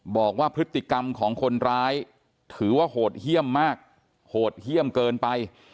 บอกว่าพฤติกรรมของคนร้ายถือว่าโหดเยี่ยมมากโหดเยี่ยมเกินไป